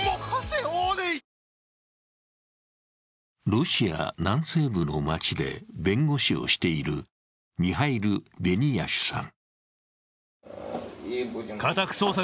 ロシア南西部の街で弁護士をしているミハイル・ベニヤシュさん。